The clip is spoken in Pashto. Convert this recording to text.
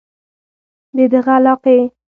د دغه علاقې